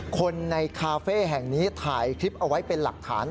คนในคาเฟ่แห่งนี้ถ่ายคลิปเอาไว้เป็นหลักฐาน